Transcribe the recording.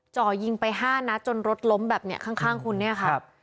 จ่อยิงไปห้านัดจนรถล้มแบบเนี้ยข้างข้างคุณเนี้ยค่ะครับ